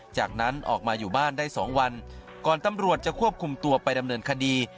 จากนั้นออกมาอยู่บ้านได้๒วันก่อนตำรวจจะควบคุมตัวไปดำเนินคดี